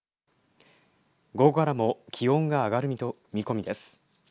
午後からも気温が上がる見込みです。